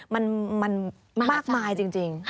มันมากมายจริง